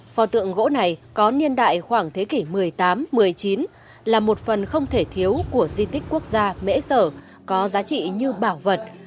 pho tượng gỗ này có niên đại khoảng thế kỷ một mươi tám một mươi chín là một phần không thể thiếu của di tích quốc gia mễ sở có giá trị như bảo vật